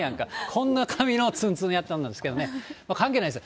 こんな髪のつんつんやったんですけどね、関係ないです。